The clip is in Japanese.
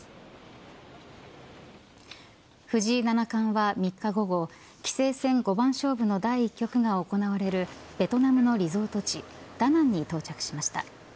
藤井七冠は３日午後棋聖戦、五番勝負の第１局が行われるベトナムのリゾート地ダナンに到着しました。